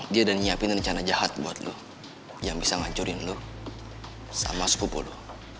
dia udah nyiapin rencana jahat buat lo yang bisa nghancurin lo sama sepupu lo